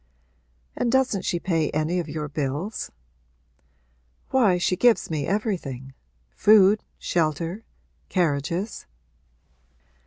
'And doesn't she pay any of your bills?' 'Why, she gives me everything food, shelter, carriages.'